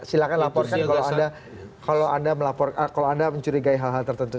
silahkan laporkan kalau anda mencurigai hal hal tertentu